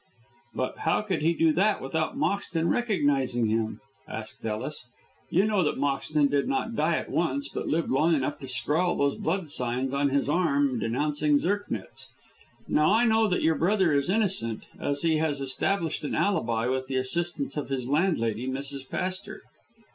"But how could he do that without Moxton recognising him?" asked Ellis. "You know that Moxton did not die at once, but lived long enough to scrawl those blood signs on his arm denouncing Zirknitz. Now, I know that your brother is innocent, as he has established an alibi with the assistance of his landlady, Mrs. Pastor."